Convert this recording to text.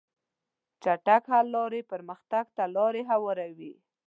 چټک حل لارې پرمختګ ته لار هواروي.